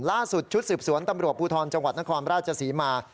ล่าสุดชุดสืบสวนตำรวจปูทรจังหวัดนครราชสีมา